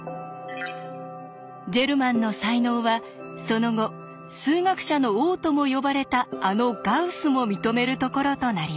ジェルマンの才能はその後「数学者の王」とも呼ばれたあのガウスも認めるところとなります。